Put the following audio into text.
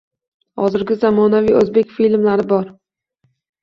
Hozirgi, zamonaviy oʻzbek filmlari bor.